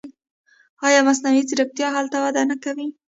آیا مصنوعي ځیرکتیا هلته وده نه کوي؟